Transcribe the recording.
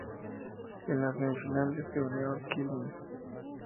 En las semifinales se unió Quilmes.